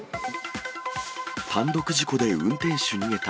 単独事故で運転手逃げた。